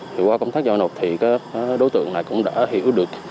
thì qua công tác giao nộp thì đối tượng này cũng đã hiểu được